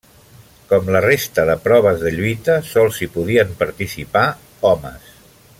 Com la resta de proves de lluita sols hi podien participar homes.